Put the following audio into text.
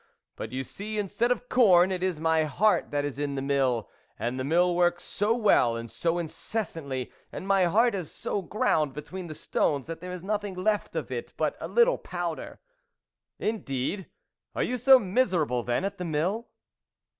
But, you see, instead of corn, it is my heart that is in the mill, and the mill works so well and so incessantly, and my heart is so ground between the stones that there is nothing left of it but a little powder." " Indeed ! Are you so miserable then at the mill